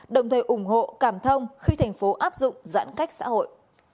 đồng thời ủng hộ cảm thông khi thành phố áp dụng giãn cách xã hội